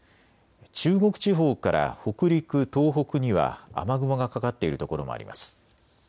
中国地方から北陸、東北には雨雲がかかっている所もあります。